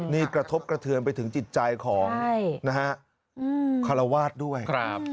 นี่กระทบกระเทือนไปถึงจิตใจของนะฮะคารวาสด้วย